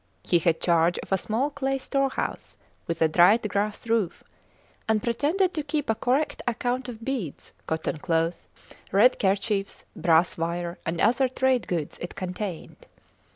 He had charge of a small clay storehouse with a dried grass roof, and pretended to keep a correct account of beads, cotton cloth, red kerchiefs, brass wire, and other trade goods it contained.